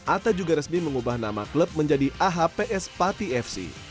atta juga resmi mengubah nama klub menjadi ahps pati fc